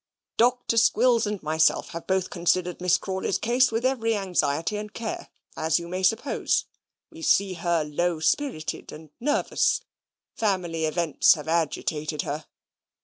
"Dr Squills and myself have both considered Miss Crawley's case with every anxiety and care, as you may suppose. We see her low spirited and nervous; family events have agitated her."